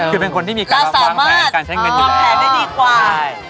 คือมีการเป็นความฝ่างแฟนความใช้เงินด้วย